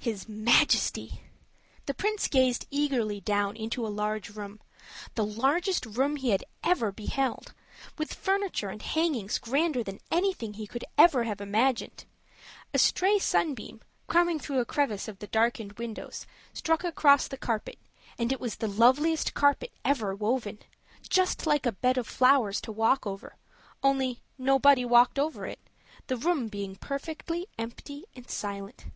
His Majesty! The Prince gazed eagerly down into a large room, the largest room he had ever beheld, with furniture and hangings grander than anything he could have ever imagined. A stray sunbeam, coming through a crevice of the darkened windows, struck across the carpet, and it was the loveliest carpet ever woven just like a bed of flowers to walk over; only nobody walked over it, the room being perfectly empty and silent.